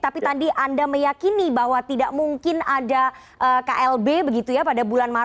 tapi tadi anda meyakini bahwa tidak mungkin ada klb begitu ya pada bulan maret